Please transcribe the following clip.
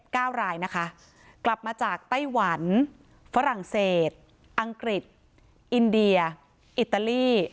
เก้ารายนะคะกลับมาจากไต้หวันฝรั่งเศสอังกฤษอินเดียอิตาลี